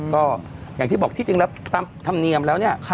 ก็อย่างที่บอกที่จึงตามธรรมเนียมแล้ว